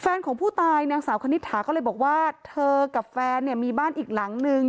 แฟนของผู้ตายนางสาวคณิตถาก็เลยบอกว่าเธอกับแฟนเนี่ยมีบ้านอีกหลังนึง